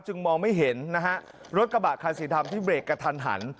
มองไม่เห็นนะฮะรถกระบะคันสีดำที่เบรกกระทันหัน